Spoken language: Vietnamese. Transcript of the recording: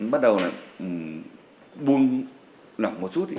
bắt đầu là buông lặng một chút